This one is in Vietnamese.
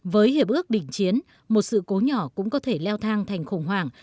với hiệp ước định chiến một sự cố nhỏ cũng có thể leo thang thành khủng hoảng